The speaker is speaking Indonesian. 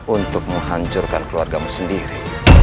untuk menghancurkan keluarga mu sendiri